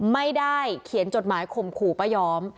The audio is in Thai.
ไม่ได้เขียนจดหมายข่มขู่ป้ายอม